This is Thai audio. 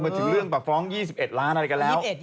ใช่มันถึงเรื่องฟ้อง๒๑ล้านอะไรกันแล้ว